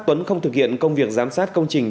tuấn không thực hiện công việc giám sát công trình